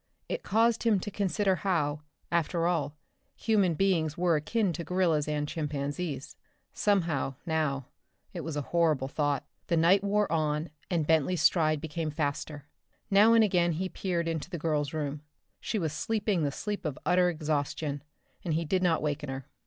It caused him to consider how, after all, human beings were akin to gorillas and chimpanzees. Somehow, now, it was a horrible thought. The night wore on and Bentley's stride became faster. Now and again he peered into the girl's room. She was sleeping the sleep of utter exhaustion and he did not waken her.